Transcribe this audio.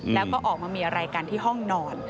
แล้วก็ออกมามีอะไรกันที่ห้องนอน